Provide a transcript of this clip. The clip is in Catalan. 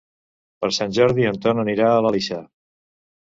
Per Sant Jordi en Ton anirà a l'Aleixar.